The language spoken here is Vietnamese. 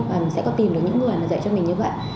và mình sẽ có tìm được những người mà dạy cho mình như vậy